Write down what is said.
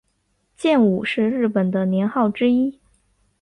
建武是日本的年号之一。